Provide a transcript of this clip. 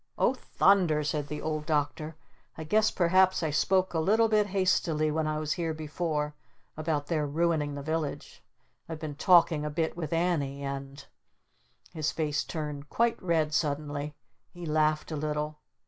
"Oh Thunder!" said the Old Doctor. "I guess perhaps I spoke a little bit hastily when I was here before about their ruining the Village! I've been talking a bit with Annie and " His face turned quite red suddenly. He laughed a little.